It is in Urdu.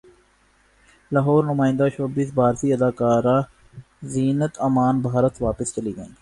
لاہورنمائندہ شوبز بھارتی اداکارہ زینت امان بھارت واپس چلی گئیں